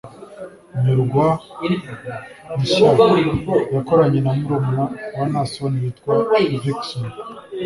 ‘Nyurwa’ nshya yakoranye na murumuna wa Naason witwa Vicson